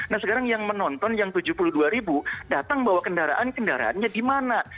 nah sekarang yang menonton yang tujuh puluh dua ribu datang bawa kendaraan kendaraannya di mana